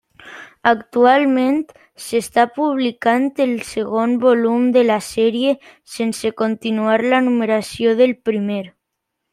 Actualment, s'està publicant el segon volum de la sèrie sense continuar la numeració del primer.